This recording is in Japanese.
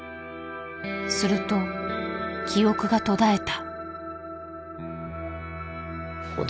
すると記憶が途絶えた。